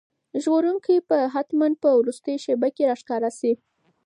ژغورونکی به حتماً په وروستۍ شېبه کې راښکاره شي.